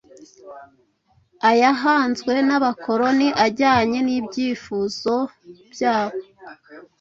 ayahanzwe nAbakoroni ajyanye nibyifuzo byabo